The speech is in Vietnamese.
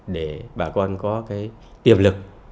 để bà con có tiềm lực